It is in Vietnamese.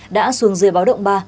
đã xuồng dây báo động ba